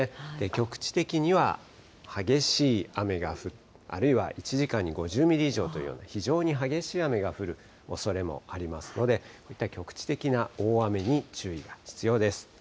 局地的には激しい雨が降る、あるいは１時間に５０ミリ以上というような非常に激しい雨が降るおそれもありますので、局地的な大雨に注意が必要です。